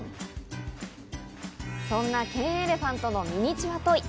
そんなケンエレファントのミニチュアトイ。